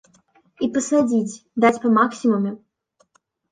І пасадзіць, даць па максімуме.